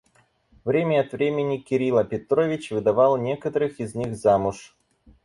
Время от времени Кирила Петрович выдавал некоторых из них замуж.